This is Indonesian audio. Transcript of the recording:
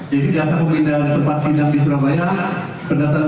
jadi jasa pemindahan tempat persidangan di surabaya berdasarkan